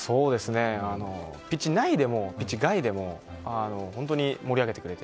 ピッチ内でもピッチ外でも本当に盛り上げてくれて。